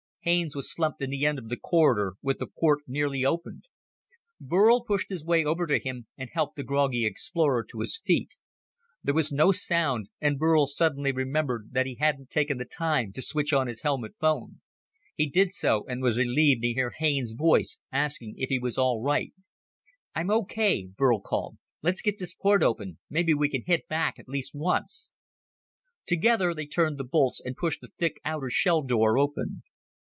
Haines was slumped in the end of the corridor, with the port nearly opened. Burl pushed his way over to him and helped the groggy explorer to his feet. There was no sound, and Burl suddenly remembered that he hadn't taken time to switch on his helmet phone. He did so and was relieved to hear Harness voice asking if he was all right. "I'm okay," Burl called. "Let's get this port open. Maybe we can hit back at least once." Together, they turned the bolts and pushed the thick outer shell door open.